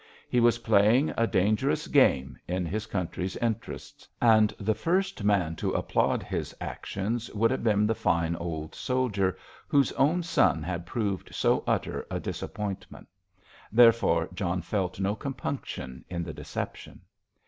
He was playing a dangerous game in his country's interests. And the first man to applaud his actions would have been the fine old soldier, whose own son had proved so utter a disappointment. Therefore John felt no compunction in the deception.